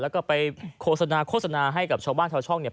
แล้วก็ไปโฆษณาโฆษณาให้กับชาวบ้านชาวช่องเนี่ย